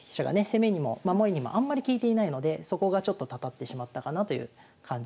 攻めにも守りにもあんまり利いていないのでそこがちょっとたたってしまったかなという感じの手順でした。